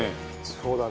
そうだね。